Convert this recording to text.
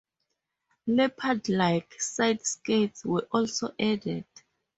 Leopard-like side-skirts were also added.